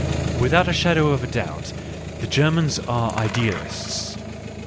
Without a shadow of a doubt the Germans are idealists.